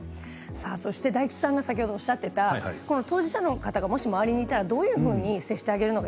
大吉さんが先ほどおっしゃっていた当事者の方がもし周りにいたらどういうふうに接してあげればいいのか。